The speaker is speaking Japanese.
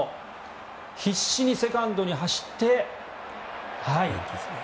必死にセカンドに走って。